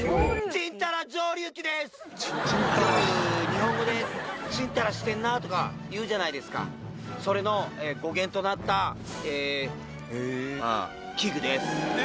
日本語で「ちんたらしてんな」とか言うじゃないですかそれの語源となったええまあ器具です